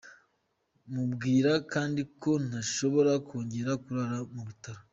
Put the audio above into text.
Mubwira kandi ko ntashobora kongera kurara ku bitaro.